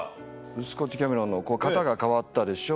スコッティキャメロンの型が変わったでしょ